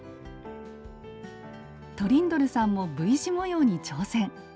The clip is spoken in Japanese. トリンドルさんもＶ字模様に挑戦！